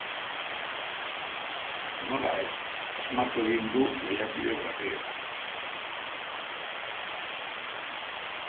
Nola ez, asmatu egin du lehiakide berrienak.